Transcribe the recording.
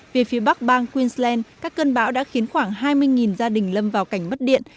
về phía bắc bang queensland các cơn bão đã khiến khoảng hai mươi gia đình lâm vào cảnh mất điện